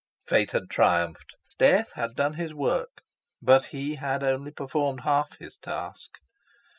Fate had triumphed. Death had done his work; but he had only performed half his task.